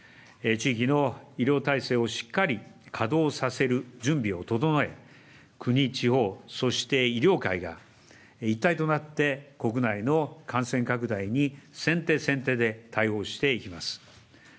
地域の医療体制をしっかり稼働させる準備を整え、国、地方、そして医療界が一体となって、国内の感染拡大に、先手先手で対応していきます。